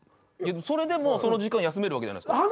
それでもその時間休めるわけじゃないですか。